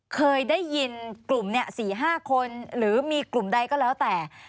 เคยได้ยินกลุ่ม๔๕คนหรือมีกลุ่มใดก็แล้วแต่